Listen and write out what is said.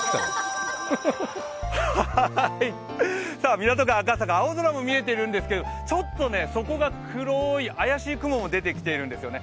港区赤坂、青空も見えているんですけど、ちょっと底が黒い怪しい雲も出てきているんですよね。